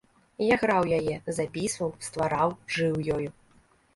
Я граў яе, запісваў, ствараў, жыў ёю.